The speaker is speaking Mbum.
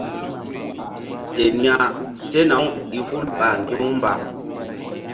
Ten ya sena-u i hul ɓa ŋgi̧-u mba.